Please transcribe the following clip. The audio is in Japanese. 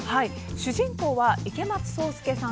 主人公は池松壮亮さん